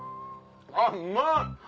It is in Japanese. あっうまい！